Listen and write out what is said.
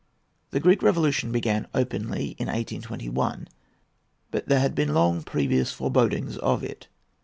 The Greek Revolution began openly in 1821. But there had been long previous forebodings of it.